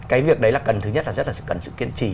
cái việc đấy là cần thứ nhất là rất là cần sự kiên trì